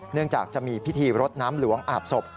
เนื่องจากจะมีพิธีรถน้ำหลวงอาบศพ